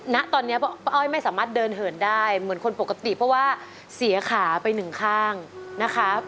ณตอนนี้ป้าอ้อยไม่สามารถเดินเหินได้เหมือนคนปกติเพราะว่าเสียขาไปหนึ่งข้างนะคะ